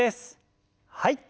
はい。